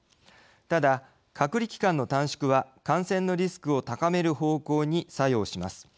ただ、隔離期間の短縮は感染のリスクを高める方向に作用します。